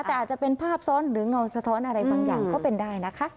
แต่อาจจะเป็นภาพซ้อนหรือเงาสะท้อนอะไรบางอย่างก็เป็นได้นะคะ